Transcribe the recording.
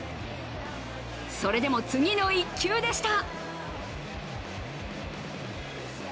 それでも次の１球でした。